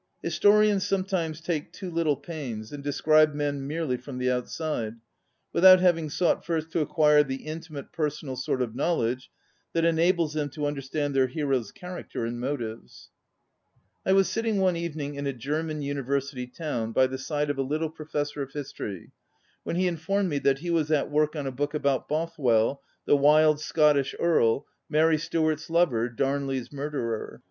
Historians sometimes take too little pains, and describe men merely from the outside, without having sought first to acquire the intimate personal sort of knowledge that enables them to understand their hero's character and motives. 38 ON READING I was sitting one evening in a CTerman University town by the side of a little Professor of History, when he informed me that he was at work on a book about Bothwell, the wild Scottish Earl, Mary Stuart's lover, Damley's murderer.